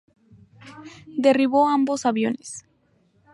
Derribó ambos aviones.